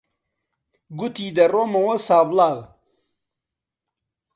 گوتی دەڕۆمەوە سابڵاغ.